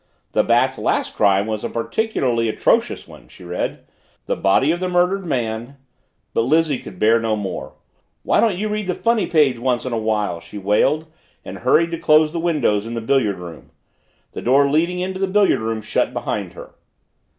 "'The Bat's last crime was a particularly atrocious one,'" she read. "'The body of the murdered man...'" But Lizzie could bear no more. "Why don't you read the funny page once in a while?" she wailed and hurried to close the windows in the billiard room. The door leading into the billiard room shut behind her.